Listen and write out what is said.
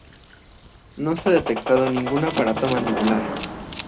No se ha detectado ningún aparato mandibular.